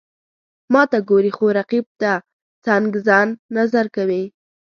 ماته ګوري، خو رقیب ته څنګزن نظر کوي.